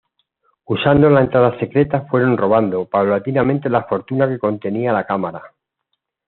Usando la entrada secreta, fueron robando paulatinamente la fortuna que contenía la cámara.